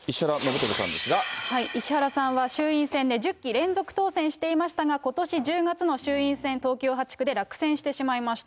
石原さんは衆院選で１０期連続当選していましたが、ことし１０月の衆院選東京８区で落選してしまいました。